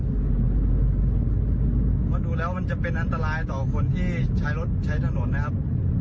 เพราะดูแล้วมันจะเป็นอันตรายต่อคนที่ใช้รถใช้ถนนนะครับ